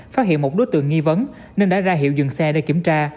phát hiện một đối tượng nghi vấn nên đã ra hiệu dừng xe để kiểm tra